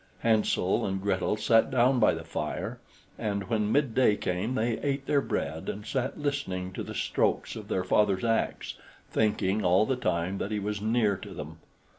Hansel and Gretel sat down by the fire, and when midday came they ate their bread and sat listening to the strokes of their father's axe, thinking all the time that he was near to them.